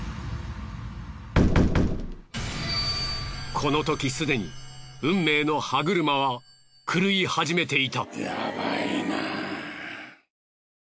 このときすでに運命の歯車は狂い始めていた。